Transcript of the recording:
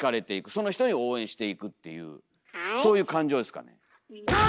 その人を応援していくっていうそういう感情ですかね。